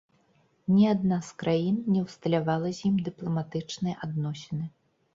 Ні адна з краін не ўсталявала з ім дыпламатычныя адносіны.